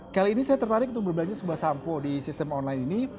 kali ini saya tertarik untuk berbelanja sebuah sampo di sistem online ini